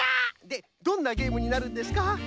でどんなゲームになるんですか？